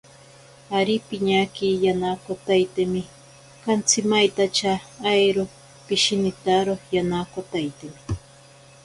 Ari piñaki yanakotaitemi, kantsimaintacha airo pishinitaro yanakotaitemi.